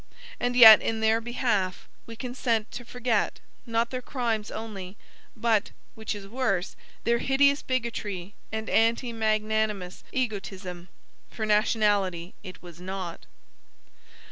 ] and yet in their behalf, we consent to forget, not their crimes only, but (which is worse) their hideous bigotry and anti magnanimous egotism; for nationality it was not.